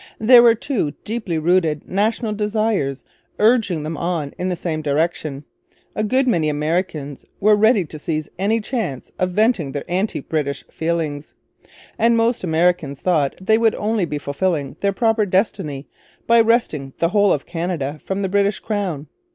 There were two deeply rooted national desires urging them on in the same direction. A good many Americans were ready to seize any chance of venting their anti British feeling; and most Americans thought they would only be fulfilling their proper 'destiny' by wresting the whole of Canada from the British crown.